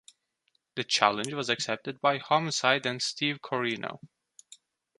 The challenge was accepted by Homicide and Steve Corino.